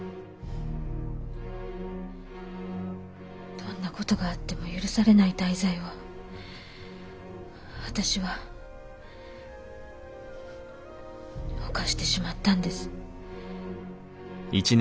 どんな事があっても許されない大罪を私は犯してしまったんです。